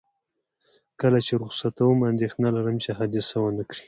کله چې یې رخصتوم، اندېښنه لرم چې حادثه ونه کړي.